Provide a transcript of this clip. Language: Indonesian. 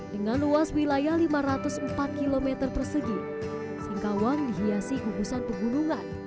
dengan luas wilayah lima ratus empat km persegi singkawang dihiasi kubusan pegunungan